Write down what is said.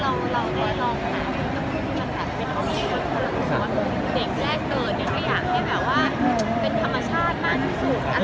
เด็กแรกเกิดก็อยากที่เป็นธรรมชาติมากที่สุด